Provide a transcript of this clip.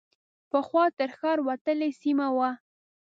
پخوا تر ښار وتلې سیمه وه.